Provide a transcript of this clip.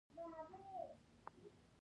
ضربه یي بار د فورمول له مخې محاسبه کیږي